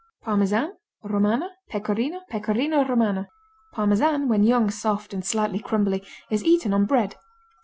Parmesan, Romano, Pecorino, Pecorino Romano Parmesan when young, soft and slightly crumbly is eaten on bread.